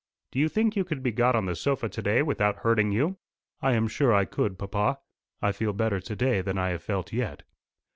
Do you think you could be got on the sofa to day without hurting you?" "I am sure I could, papa. I feel better today than I have felt yet.